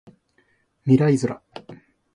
未来ズラ